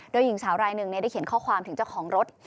โดยหญิงสาวรายหนึ่งได้เขียนข้อความถึงเจ้าของรถ